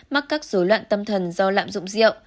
mắc các dối loạn tâm thần do lạm dụng rượu